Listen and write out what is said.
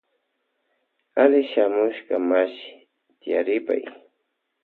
Alli shamushka mashi tiaripay.